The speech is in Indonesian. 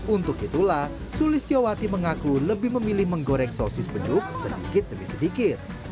untuk itulah sulistiowati mengaku lebih memilih menggoreng sosis beduk sedikit demi sedikit